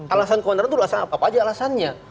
alasan keonaran itu alasan apa saja alasannya